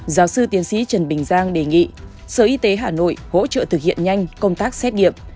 giáo sư tiến sĩ trần bình giang đề nghị sở y tế hà nội hỗ trợ thực hiện nhanh công tác xét nghiệm